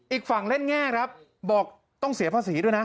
อีกฝั่งเล่นแง่ครับบอกต้องเสียภาษีด้วยนะ